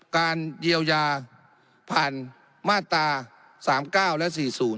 การเยียวยาผ่านมาตรา๓๙และ๔๐